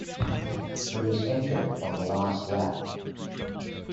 He was entering on the last lap.